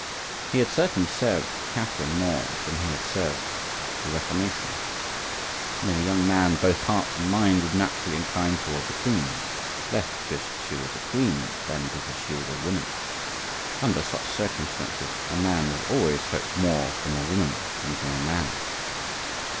He had certainly served Catherine more than he had served the Reformation, and in a young man both heart and mind would naturally incline toward the queen; less because she was a queen than because she was a woman. Under such circumstances a man will always hope more from a woman than from a man.